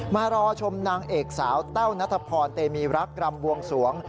มารอชมนางเอกสาวแต้วนัทพรเตมีรักรำบวงสวง